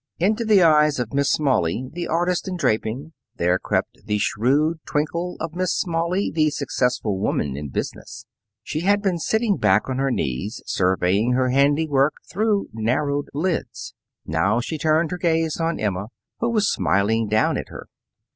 Into the eyes of Miss Smalley, the artist in draping, there crept the shrewd twinkle of Miss Smalley, the successful woman in business. She had been sitting back on her knees, surveying her handiwork through narrowed lids. Now she turned her gaze on Emma, who was smiling down at her.